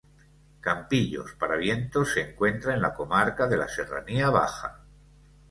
Campillos-Paravientos se encuentra en la comarca de la Serranía Baja.